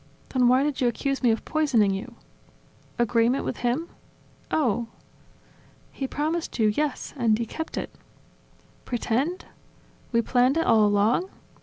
... Then why did you accuse me of poisoning you? ..." "Agreement with him? Oh! ..." "He promised you, yes; and he kept it ... Pretend? We planned it all along?